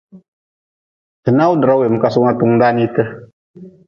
Ti nawdra weem kasug na tung da nii ti.